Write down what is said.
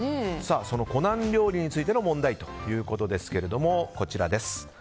その湖南料理についての問題ということですがこちら。